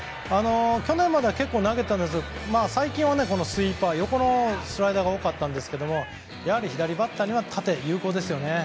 去年までは結構投げてたんですが最近は、スイーパー横のスライダーが多かったんですがやはり左バッターには縦が有効ですよね。